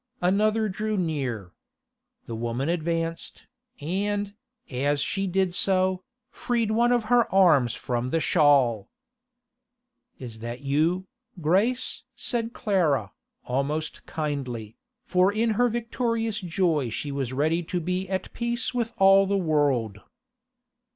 Another drew near. The woman advanced, and, as she did so, freed one of her arms from the shawl. 'That you, Grace?' said Clara, almost kindly, for in her victorious joy she was ready to be at peace with all the world.